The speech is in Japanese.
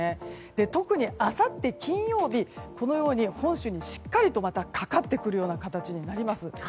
特にあさって金曜日このように本州にしっかりとまたかかってくるような形になります。